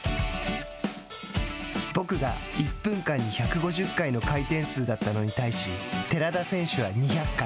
僕が１分間に１５０回の回転数だったのに対し寺田選手は２００回。